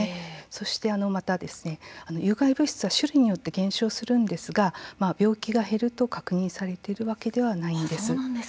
そしてまた有害物質は種類によって減少するんですが、病気が減ると確認されているわけではないんです。